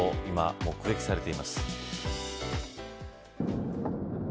今、目撃されています。